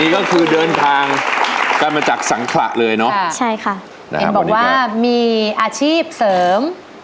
นี่ก็คือเดินทางกลับมาจากสังขละเลยเนอะใช่ค่ะบอกว่ามีอาชีพเสริม